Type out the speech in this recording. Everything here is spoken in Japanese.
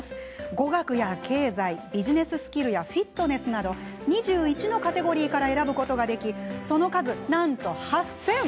語学や経済、ビジネススキルやフィットネスなど２１のカテゴリーから選ぶことができその数なんと８０００。